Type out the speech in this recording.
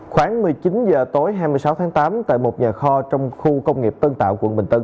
khoảng một mươi chín h tối hai mươi sáu tháng tám tại một nhà kho trong khu công nghiệp tân tạo quận bình tân